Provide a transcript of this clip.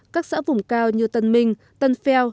các xã vùng cao như tân minh tân pheo